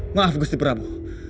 maaf gusti prabu